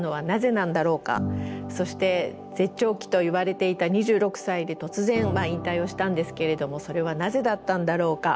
そして絶頂期といわれていた２６歳で突然まあ引退をしたんですけれどもそれはなぜだったんだろうか？